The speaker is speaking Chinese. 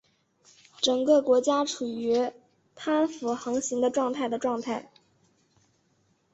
整个国家处于贪腐横行的状态的状态。